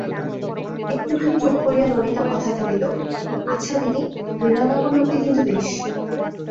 একটুখানি চুপ করিয়া ললিতা কথা তুলিল, আচ্ছা দিদি, বিনয়বাবু লোকটি কিন্তু বেশ।